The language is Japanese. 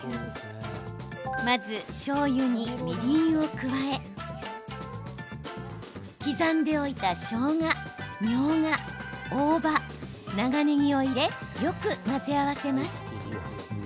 まず、しょうゆにみりんを加え刻んでおいた、しょうがみょうが、大葉、長ねぎを入れよく混ぜ合わせます。